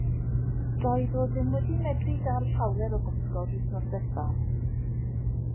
Doedd o ddim wedi medru dal llawer o bysgod wythnos diwethaf.